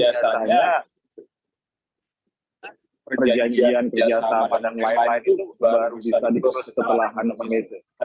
karena biasanya perjanjian perjanjian pandang melewati itu baru bisa dikursus setelah menangani